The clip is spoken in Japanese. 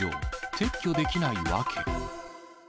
撤去できない訳。